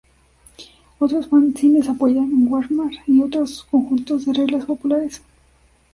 Otros fanzines apoyan Warhammer y otros conjuntos de reglas populares.